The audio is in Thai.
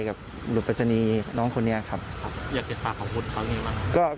กับบุรุษปราศนีย์น้องคนนี้ครับอยากจะฝากขอบคุณเขายังไง